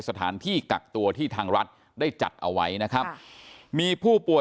สถานที่กักตัวที่ทางรัฐได้จัดเอาไว้นะครับมีผู้ป่วย